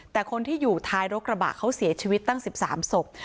แต่คนที่อยู่ท้ายรถกระบะเขาเสียชีวิตตั้ง๑๓ศพ